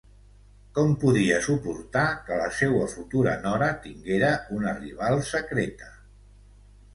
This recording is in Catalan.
Com podia suportar que la seua futura nora tinguera una rival secreta?